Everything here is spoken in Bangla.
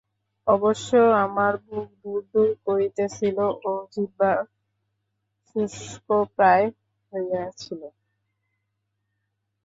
অবশ্য আমার বুক দুরদুর করিতেছিল ও জিহ্বা শুষ্কপ্রায় হইয়াছিল।